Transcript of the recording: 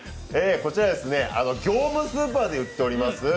こちら業務スーパーで売っております